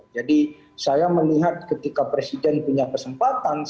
jadi saya melihat ketika presiden punya kesempatan